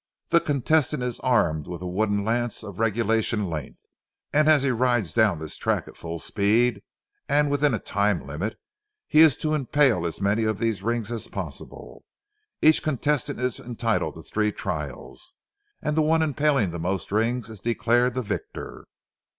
The contestant is armed with a wooden lance of regulation length, and as he rides down this track at full speed and within a time limit, he is to impale as many of these rings as possible. Each contestant is entitled to three trials and the one impaling the most rings is declared the victor.